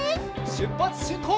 しゅっぱつしんこう！